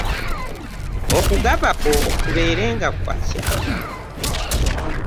okugaba kwo kubeerenga kwa kyama.